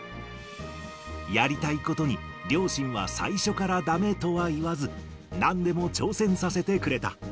やりたいことに、両親は最初からだめとは言わず、なんでも挑戦させてくれた。